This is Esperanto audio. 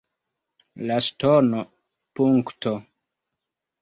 La ŝtono, punkto